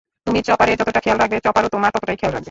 তুমি চপারের যতটা খেয়াল রাখবে, চপারও তোমার ততটাই খেয়াল রাখবে।